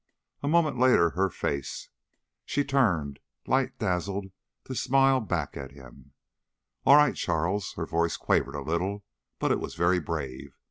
A moment later her face. She turned, light dazzled, to smile back at him. "All right, Charles." Her voice quavered a little, but it was very brave.